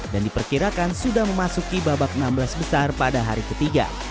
dan diperkirakan sudah memasuki babak enam belas besar pada hari ketiga